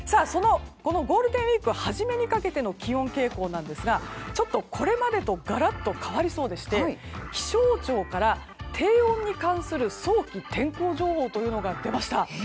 ゴールデンウィーク初めにかけての気温傾向なんですがちょっと、これまでとガラッと変わりそうでして気象庁から低温に関する早期天候情報が出ました。